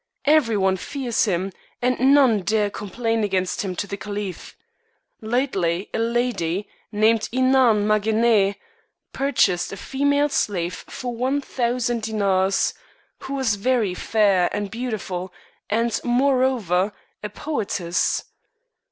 Everyone fears him, and none dare complain against him to the caliph. Lately a lady, named Inaan Magennee, purchased a female slave for one thousand dinars who was very fair and beautiful, and, moreover, a poetess.